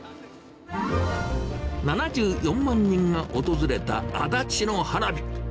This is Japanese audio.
７４万人が訪れた足立の花火。